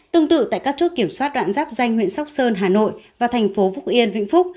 tương tự tại các chốt kiểm soát đoạn giáp danh huyện sóc sơn hà nội và thành phố phúc yên vĩnh phúc